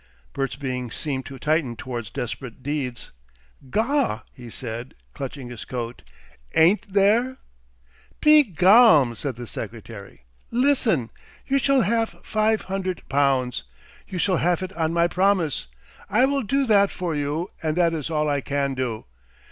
Bert's being seemed to tighten towards desperate deeds. "Gaw!" he said, clutching his coat, "AIN'T there?" "Pe galm," said the secretary. "Listen! You shall haf five hundert poundts. You shall haf it on my promise. I will do that for you, and that is all I can do.